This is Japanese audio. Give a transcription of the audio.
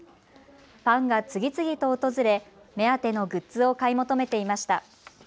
ファンが次々と訪れ、目当てのグッズを買い求めていました。